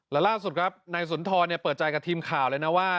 และล่าสุดครับนายสุนทรเปิดใจกับทีมข่าวเลยนะว่า